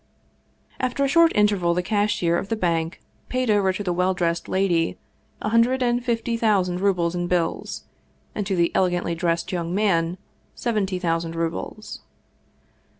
After a short interval the cashier of the bank paid over to the well dressed lady a hundred and fifty thousand rubles in bills, and to the elegantly dressed young man seventy thousand rubles.